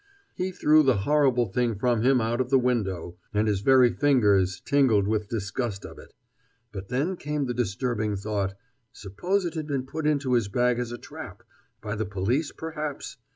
He threw the horrible thing from him out of the window, and his very fingers tingled with disgust of it. But then came the disturbing thought suppose it had been put into his bag as a trap? by the police, perhaps?